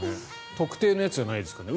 特定のやつじゃないですかね。